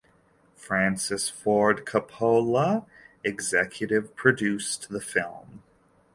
Francis Ford Coppola executive produced the film.